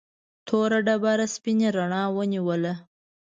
توره ډبره سپینې رڼا ونیوله.